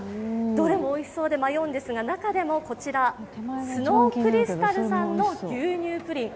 どれもおいしそうで迷うんですが、中でもこちら、スノークリスタルさんの牛乳プリン。